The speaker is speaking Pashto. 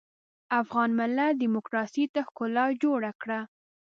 افغان ملت ډيموکراسۍ ته ښکلا جوړه کړه.